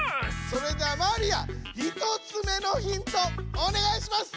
それではマリア１つ目のヒントおねがいします！